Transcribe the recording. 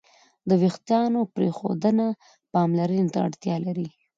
د وېښتیانو پرېښودنه پاملرنې ته اړتیا لري.